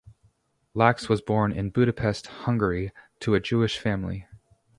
Lax was born in Budapest, Hungary to a Jewish family.